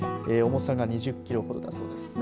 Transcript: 重さが２０キロほどだそうです。